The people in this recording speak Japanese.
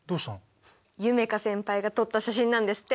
夢叶先輩が撮った写真なんですって。